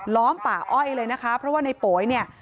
ล้อมป่าอ้อยเลยนะคะเพราะว่าในโป๋ยเนี่ย